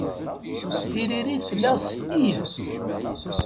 Tiririt tella s "ih".